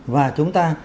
và chúng ta